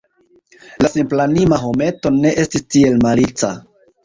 La simplanima hometo ne estis tiel malica.